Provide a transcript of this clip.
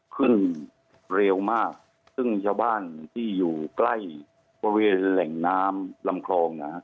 ขึ้นเร็วมากซึ่งชาวบ้านที่อยู่ใกล้บริเวณแหล่งน้ำลำคลองนะฮะ